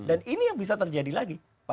dan ini yang bisa terjadi lagi